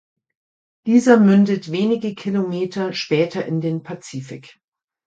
Dieser mündet wenige Kilometer später in den Pazifik.